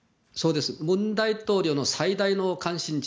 文大統領の最大の関心事